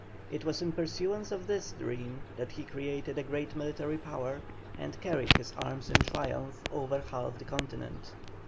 It was in pursuance of this dream that he created a great military power, and carried his arms in triumph over half the Continent.